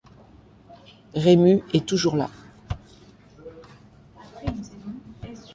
Raimu est toujours là.